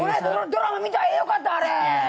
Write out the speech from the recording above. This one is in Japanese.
ドラマ見たわ、良かったあれ！